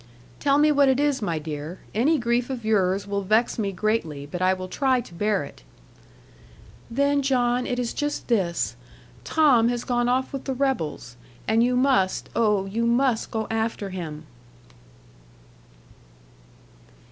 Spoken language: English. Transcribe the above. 'Tell me what it is, my dear. Any grief of yours will vex me greatly; but I will try to bear it.' 'Then, John, it is just this. Tom has gone off with the rebels; and you must, oh, you must go after him.'